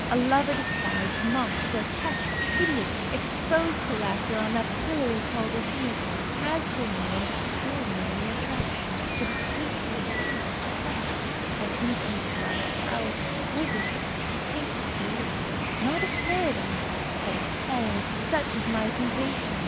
A lover despised, mocked, grotesque, hideous, exposed to laughter on that pillory called a theatre, has for me an extraordinary attraction. It is tasting the fruit of hell. An infamous lover, how exquisite! To taste the apple, not of Paradise, but of hell such is my temptation.